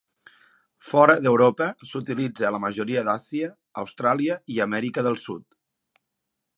Fora d'Europa, s'utilitza a la majoria d'Àsia, Austràlia i Amèrica del Sud.